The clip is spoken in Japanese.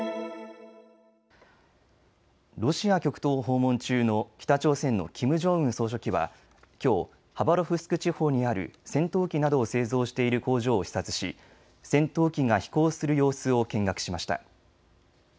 ロシア極東を訪問中の北朝鮮のキム・ジョンウン総書記はきょうハバロフスク地方にある戦闘機などを製造している工場を視察し戦闘機が飛行する様子を見学しました。